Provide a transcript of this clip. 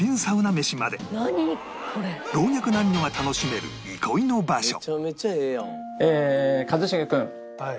老若男女が楽しめる憩いの場所